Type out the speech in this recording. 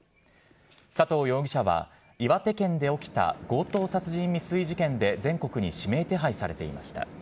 佐藤容疑者は、岩手県で起きた強盗殺人未遂事件で全国に指名手配されていました。